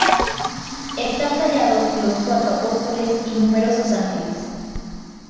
Están tallados los cuatro apóstoles y numerosos ángeles.